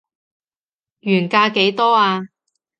原價幾多啊